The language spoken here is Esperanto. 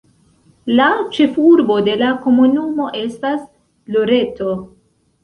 La ĉefurbo de la komunumo estas Loreto.